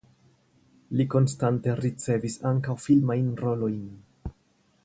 Li konstante ricevis ankaŭ filmajn rolojn.